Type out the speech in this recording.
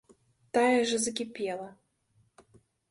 Тая ж і закіпела.